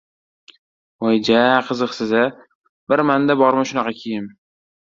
— Voy, ja-a qiziqsiz-a, bir manda bormi shunaqa kiyim?